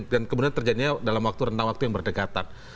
dan kemudian terjadinya dalam waktu rentang waktu yang berdekatan